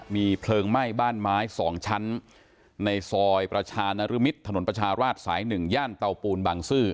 มีเพลิงไหม้บ้านไม้๒ชั้นในซอยประชานรมิตรถนนประชาราชสาย๑ย่านเตาปูนบางซื่อ